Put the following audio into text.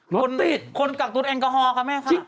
รถติดคนกักตุ๊ดแอลกอฮอล์ครับแม่ค่ะ